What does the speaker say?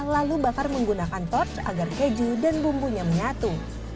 lalu bakar menggunakan torch agar keju dan bumbunya menyatu